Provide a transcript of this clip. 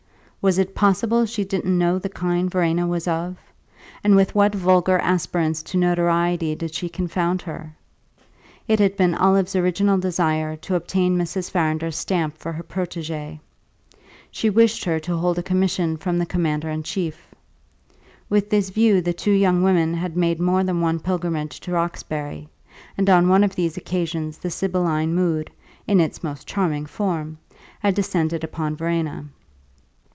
Was it possible she didn't know the kind Verena was of, and with what vulgar aspirants to notoriety did she confound her? It had been Olive's original desire to obtain Mrs. Farrinder's stamp for her protégée; she wished her to hold a commission from the commander in chief. With this view the two young women had made more than one pilgrimage to Roxbury, and on one of these occasions the sibylline mood (in its most charming form) had descended upon Verena.